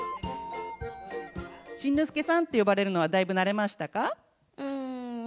新之助さんって呼ばれるのは、だいぶ慣れましたか？